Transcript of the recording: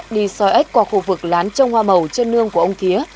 đi soi ếch qua khu vực lán trông hoa màu trên nương của ông thía